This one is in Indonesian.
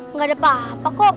nggak ada apa apa kok